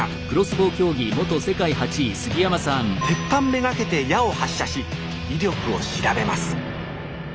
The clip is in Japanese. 鉄板目がけて矢を発射し威力を調べます